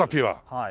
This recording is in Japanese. はい。